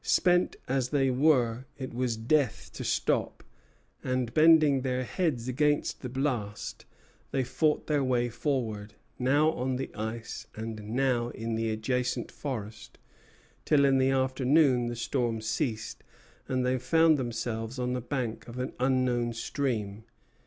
Spent as they were, it was death to stop; and bending their heads against the blast, they fought their way forward, now on the ice, and now in the adjacent forest, till in the afternoon the storm ceased, and they found themselves on the bank of an unknown stream.